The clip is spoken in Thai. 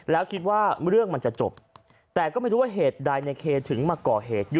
แล้วคิดว่าเรื่องมันจะจบแต่ก็ไม่รู้ว่าเหตุใดในเคถึงมาก่อเหตุ